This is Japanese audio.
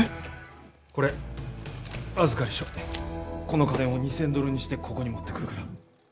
この金を２，０００ドルにしてここに持ってくるから。